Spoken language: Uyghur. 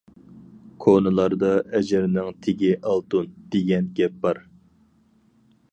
كونىلاردا« ئەجىرنىڭ تېگى ئالتۇن» دېگەن گەپ بار.